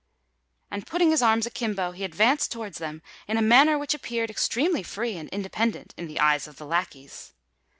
And, putting his arms akimbo, he advanced towards them in a manner which appeared extremely free and independent in the eyes of the lacqueys.